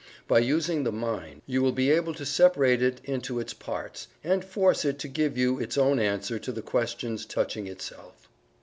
By using the mind, you will be able to separate it into its parts, and force it to give you its own answer to the questions touching itself.